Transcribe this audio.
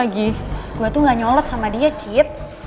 gue tuh gak nyolot sama dia cid